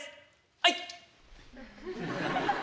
はい！